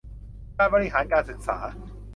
การบริหารการศึกษา